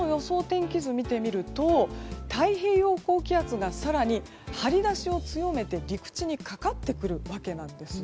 天気図を見てみると太平洋高気圧が更に張り出しを強めて陸地にかかってくるわけです。